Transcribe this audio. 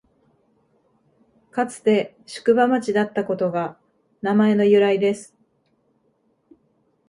かつて宿場町だったことが名前の由来です